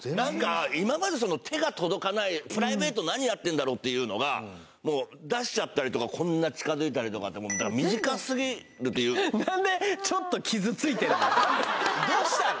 今まで手が届かないプライベート何やってんだろうっていうのがもう出しちゃったりとかこんな近づいたりとかって身近すぎるというかどうしたの？